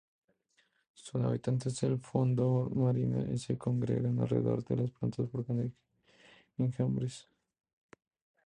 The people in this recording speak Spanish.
Son habitantes del fondo marino y se congregan alrededor de las plantas formando enjambres.